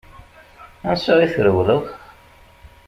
Ansa i trewleḍ?